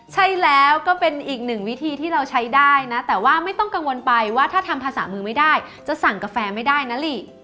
ใช่แล้วก็เป็นอีกหนึ่งวิธีที่เราใช้ได้นะแต่ว่าไม่ต้องกังวลไปว่าถ้าทำภาษามือไม่ได้จะสั่งกาแฟไม่ได้นะลิ